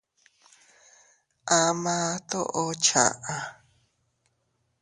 Ama toʼo chaʼa.